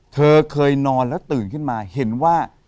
เธอเคยนอนแล้วตื่นขึ้นมาเห็นว่า